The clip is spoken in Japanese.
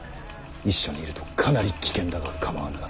一緒にいるとかなり危険だが構わぬな。